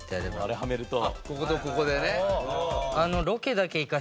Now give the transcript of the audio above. あれはめると。